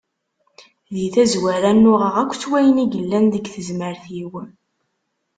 Di tazwara nnuɣeɣ akk s wayen i yellan deg tezmert-iw.